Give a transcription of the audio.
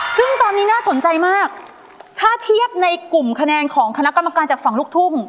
ซึ่งตอนนี้น่าสนใจมากถ้าเทียบในกลุ่มคะแนนของคณะกรรมการจากฝั่งลูกทุ่ง